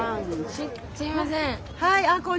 すいません。